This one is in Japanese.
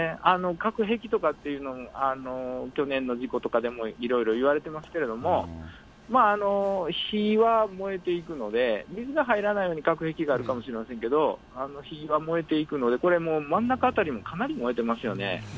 隔壁とかという、去年の事故とかでもいろいろいわれてますけれども、火は燃えていくので、水が入らないように隔壁があるかもしれませんけれども、火は燃えていくので、これ、もう真ん中辺りもかなり燃えてますよね。